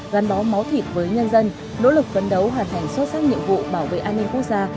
gắn bó máu thịt với nhân dân nỗ lực phấn đấu hoàn thành xuất sắc nhiệm vụ bảo vệ an ninh quốc gia